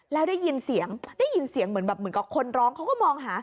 แล้วได้ยินเสียงได้ยินเสียงเหมือนแบบเหมือนกับคนร้องเขาก็มองหา